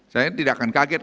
jadi saya tidak akan kaget